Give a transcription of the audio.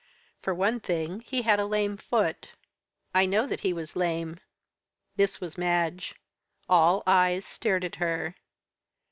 For one thing, he had a lame foot " "I know that he was lame." This was Madge; all eyes stared at her.